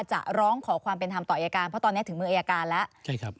จะร้องขอความเป็นธรรมต่ออายการเพราะตอนนี้ถึงมืออายการแล้ว